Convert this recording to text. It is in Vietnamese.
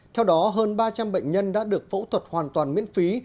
theo đó hơn ba trăm linh bệnh nhân đã được phẫu thuật hoàn toàn miễn phí